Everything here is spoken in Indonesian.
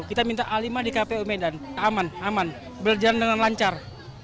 kita minta a lima di kpu medan aman aman berjalan dengan lancar